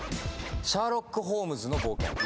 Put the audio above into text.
シャーロック・ホームズの冒険。